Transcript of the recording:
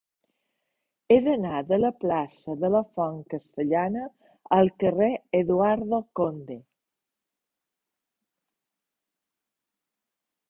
He d'anar de la plaça de la Font Castellana al carrer d'Eduardo Conde.